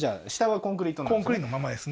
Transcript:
コンクリのままですね